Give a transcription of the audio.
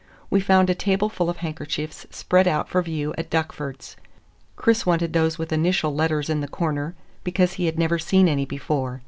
We found a tableful of handkerchiefs spread out for view at Duckford's. Chris wanted those with initial letters in the corner, because he had never seen any before.